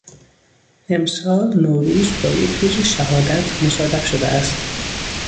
امسال نوروز با یک روز شهادت مصادف شده است.